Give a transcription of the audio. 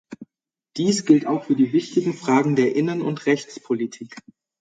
Dies gilt auch für die wichtigen Fragen der Innen- und Rechtspolitik.